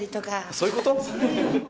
そういうこと？